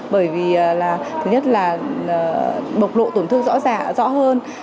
bởi vì là thứ nhất là bộc lộ tổn thương rõ ràng rõ hơn